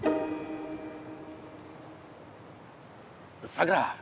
さくら